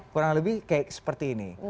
kurang lebih seperti ini